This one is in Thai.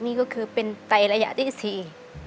นี่ก็คือเป็นไตระยะที่สี่